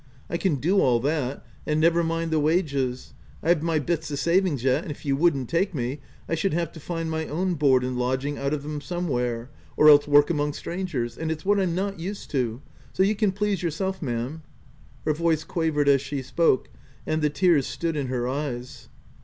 I can do all that ; and never mind the wages — I've my bits o' savings yet, and if you wouldn't take me, I should have to find my own board and lodging out of 'em somewhere, or else work among strangers — and it's what I'm not used to — so you can please yourself ma'm." Her voice qua vered as she spoke, and the tears stood in her eyes.